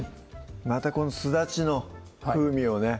またこのすだちの風味をね